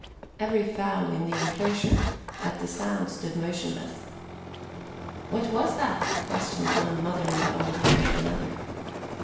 Every fowl in the inclosure at the sound stood motionless. "What was that?" questioned one motherly old hen of another.